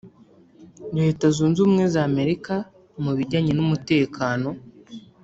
Leta zunze ubumwe za Amerika mu bijyanye n’umutekano